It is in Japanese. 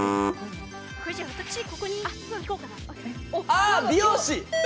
あ美容師！